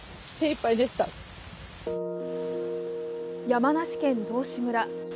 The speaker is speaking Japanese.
山梨県道志村。